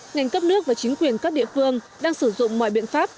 ngành cấp nước và chính quyền các địa phương đang sử dụng mọi biện pháp